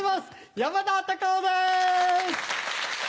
山田隆夫です。